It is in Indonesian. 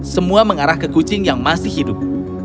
semua mengarah ke kucing yang masih hidup